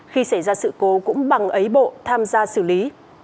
khi xảy ra sự cố cũng bằng ấy bộ tham gia xử lý